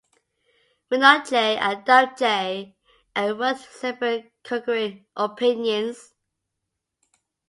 Mignault J. and Duff J. wrote separate concurring opinions.